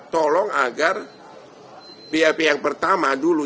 tolong agar bap yang pertama dulu